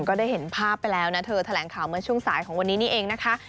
ก็ได้เห็นภาพไปแล้วนะเธอแถลงข่าวเมื่อช่วงสายของวันนี้นี่เองนะคะ